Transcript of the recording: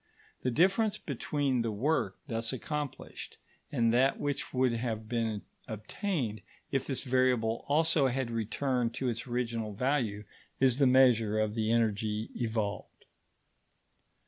The difference between the work thus accomplished and that which would have been obtained if this variable also had returned to its original value, is the measure of the energy evolved.